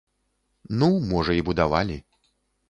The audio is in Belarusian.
Ну, можа і будавалі.